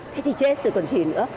thế thì chết rồi còn gì nữa